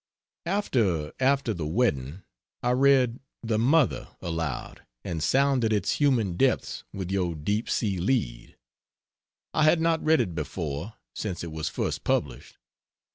After "After the Wedding" I read "The Mother" aloud and sounded its human deeps with your deep sea lead. I had not read it before, since it was first published.